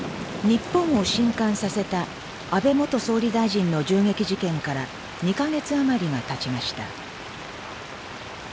日本を震撼させた安倍元総理大臣の銃撃事件から２か月余りがたちました。